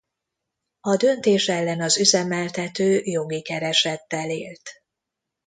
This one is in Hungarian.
A döntés ellen az üzemeltető jogi keresettel élt.